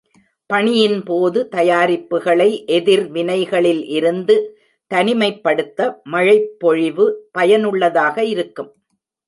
பணியின் போது, தயாரிப்புகளை எதிர்வினைகளில் இருந்து தனிமைப்படுத்த மழைப்பொழிவு பயனுள்ளதாக இருக்கும்.